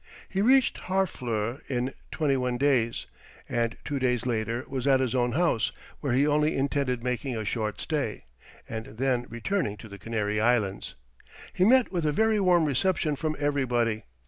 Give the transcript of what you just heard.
He reached Harfleur in twenty one days, and two days later was at his own house, where he only intended making a short stay, and then returning to the Canary Islands. He met with a very warm reception from everybody.